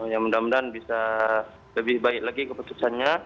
ya mudah mudahan bisa lebih baik lagi keputusannya